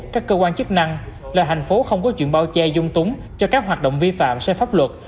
các cơ quan chức năng là thành phố không có chuyện bao che dung túng cho các hoạt động vi phạm xe pháp luật